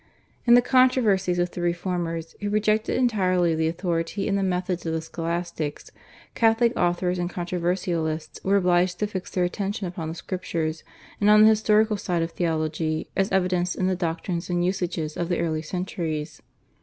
In the controversies with the Reformers, who rejected entirely the authority and the methods of the Scholastics, Catholic authors and controversialists were obliged to fix their attention upon the Scriptures and on the historical side of theology as evidenced in the doctrines and usages of the early centuries.